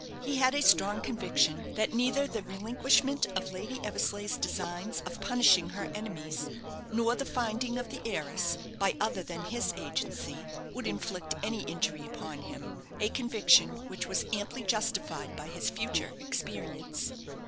He had a strong conviction that neither the relinquishment of Lady Eversleigh's designs of punishing her enemies, nor the finding of the heiress by other than his agency, would inflict any injury upon him a conviction which was amply justified by his future experience.